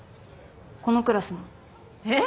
このクラスの。えっ？